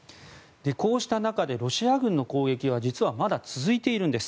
こうした中でロシア軍の攻撃は実はまだ続いているんです。